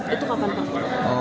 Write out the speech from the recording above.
itu kapan pak